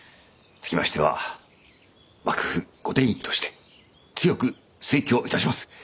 つきましては幕府御典医として強く推挙致します